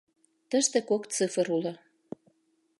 Тыште кок цифр уло: